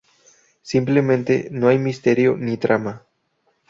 Simplemente, no hay misterio, ni trama.